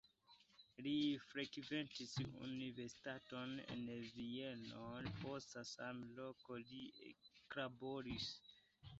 Li frekventis universitaton en Vieno, poste samloke li eklaboris.